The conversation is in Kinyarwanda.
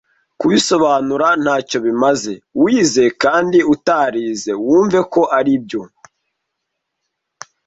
Kubisobanura ntacyo bimaze, wize kandi utarize wumve ko aribyo.